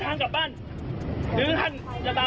ห้ามควบคุมตัวบริญญาณชน